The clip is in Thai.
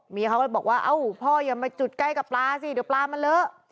เขาก็บอกว่าเอ้าพ่ออย่ามาจุดใกล้กับปลาสิเดี๋ยวปลามันเลอะ